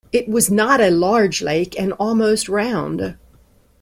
It was not a large lake, and almost round.